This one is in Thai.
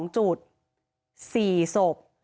๒จุด๔ศพ